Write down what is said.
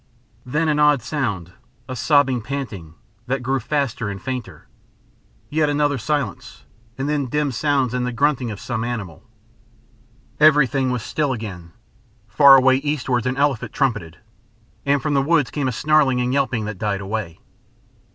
Then an odd sound, a sobbing panting, that grew faster and fainter. Yet another silence, and then dim sounds and the grunting of some animal. Everything was still again. Far away eastwards an elephant trumpeted, and from the woods came a snarling and yelping that died away.